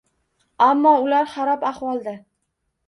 Ammo ular xarob ahvolda.